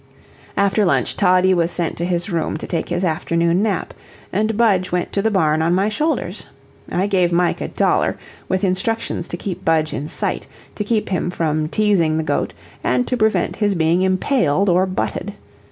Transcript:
After lunch Toddie was sent to his room to take his afternoon nap, and Budge went to the barn on my shoulders. I gave Mike a dollar, with instructions to keep Budge in sight, to keep him from teasing the goat, and to prevent his being impaled or butted.